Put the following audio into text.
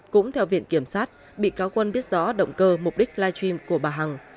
cũng theo viện kiểm sát bị cáo quân biết rõ động cơ mục đích live stream của bà hằng